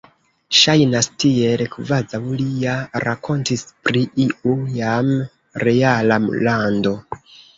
Ŝajnas tiel, kvazaŭ li ja rakontis pri iu jam reala lando.